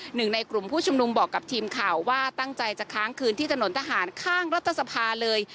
หนึ่งในกลุ่มผู้ชุมนุมบอกกับทีมข่าวว่าตั้งใจจะค้างคืนที่ถนนทหารข้างรัฐสภาเลย